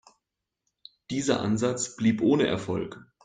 Dieser Ansatz blieb ohne Erfolg.